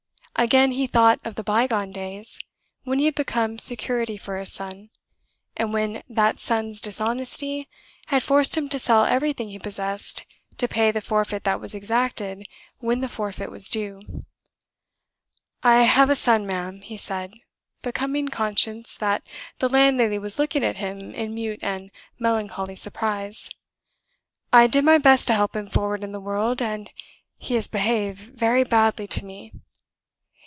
Again he thought of the bygone days, when he had become security for his son, and when that son's dishonesty had forced him to sell everything he possessed to pay the forfeit that was exacted when the forfeit was due. "I have a son, ma'am," he said, becoming conscious that the landlady was looking at him in mute and melancholy surprise. "I did my best to help him forward in the world, and he has behaved very badly to me."